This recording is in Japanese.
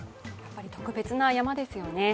特別な山ですよね。